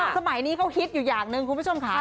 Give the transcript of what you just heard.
สมัยนี้เขาฮิตอยู่อย่างหนึ่งคุณผู้ชมค่ะ